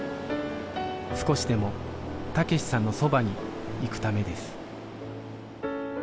少しでも武志さんのそばに行くためです